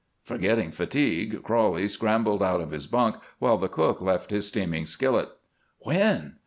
Forgetting fatigue, Crowley scrambled out of his bunk while the cook left his steaming skillet. "When?"